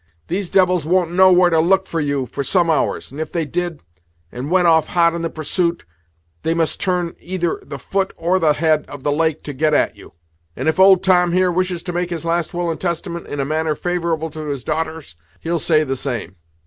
These devils won't know where to look for you for some hours, and if they did, and went off hot in the pursuit, they must turn either the foot or the head of the lake to get at you. That's my judgment in the matter; and if old Tom here wishes to make his last will and testament in a manner favorable to his darters, he'll say the same."